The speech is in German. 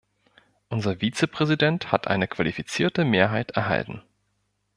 Unser Vizepräsident hat eine qualifizierte Mehrheit erhalten.